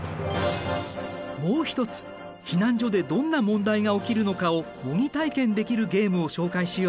もう一つ避難所でどんな問題が起きるのかを模擬体験できるゲームを紹介しよう。